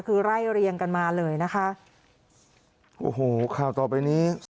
คือไล่เรียงกันมาเลยนะคะโอ้โหข่าวต่อไปนี้